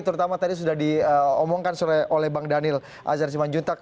terutama tadi sudah diomongkan oleh bang daniel azharjiman juntag